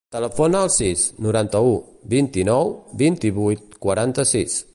Telefona al sis, noranta-u, vint-i-nou, vint-i-vuit, quaranta-sis.